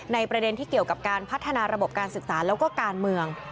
ประเด็นที่เกี่ยวกับการพัฒนาระบบการศึกษาแล้วก็การเมือง